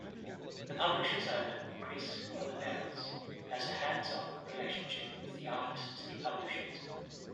The publisher's owner, Chris Oliveros, has a hands-off relationship with the artists he publishes.